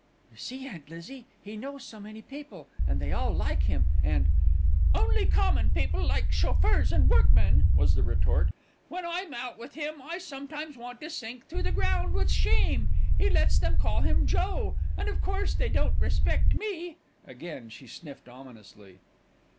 "You see, Aunt Lizzie, he knows so many people, and they all like him and " "Only common people, like chauffeurs and workmen," was the retort. "When I'm out with him I sometimes want to sink through the ground with shame. He lets them call him 'Joe,' and of course they don't respect me." Again she sniffed ominously.